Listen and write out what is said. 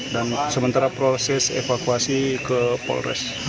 dan sementara proses evakuasi ke polres